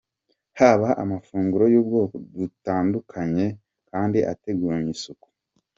Haba amafunguro y'ubwoko butandukanye kandi ateguranye isuku.